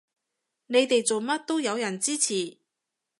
你哋做乜都有人支持